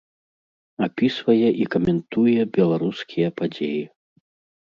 Апісвае і каментуе беларускія падзеі.